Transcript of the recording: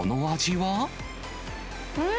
うん！